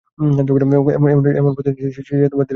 এমন কতদিন, এমন প্রতিদিন, সে ধীরে ধীরে আসিত, ধীরে ধীরে যাইত।